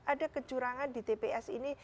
ada kecurangan di tps ini